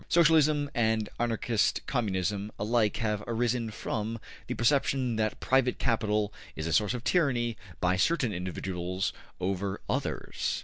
Socialism and Anarchist Communism alike have arisen from the perception that private capital is a source of tyranny by certain individuals over others.